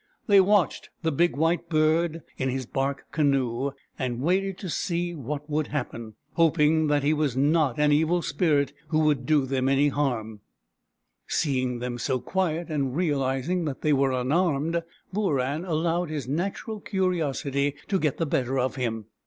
They watched the big white bird in his bark canoe, and waited to see what would happen, hoping that he was not an evil spirit who would do them any harm. BOORAN, THE PELICAN 91 Seeing them so quiet, and realizing that they were unarmed, Booran allowed his natural curi osity to get the better of him.